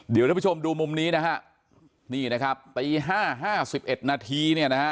เดี๋ยวท่านผู้ชมดูมุมนี้นะฮะนี่นะครับตีห้าห้าสิบเอ็ดนาทีเนี่ยนะฮะ